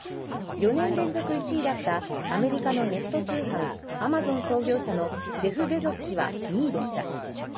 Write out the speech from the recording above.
４年連続１位だったアメリカのネット通販アマゾン創業者のジェフ・ベゾス氏は２位でした。